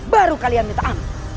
baru kalian minta ampun